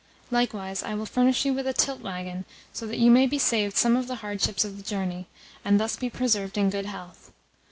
Likewise, I will furnish you with a tilt waggon, so that you may be saved some of the hardships of the journey, and thus be preserved in good health.